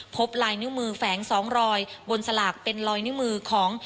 พบลายนิ้วมือแฝง๒รอยบนสลากเป็นรอยนิ้วมือของ